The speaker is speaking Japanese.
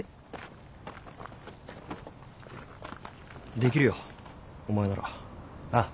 できるよお前なら。ああ。